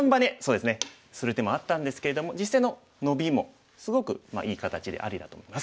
する手もあったんですけれども実戦のノビもすごくいい形でありだと思います。